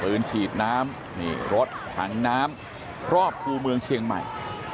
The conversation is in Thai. พื้นฉีดน้ำรถถังน้ำรอบครูเมืองเชียงใหม่